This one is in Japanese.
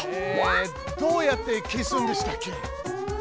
どうやって消すんでしたっけ。